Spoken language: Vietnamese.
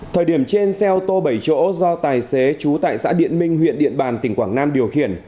thời điểm trên xe ô tô bảy chỗ do tài xế trú tại xã điện minh huyện điện bàn tỉnh quảng nam điều khiển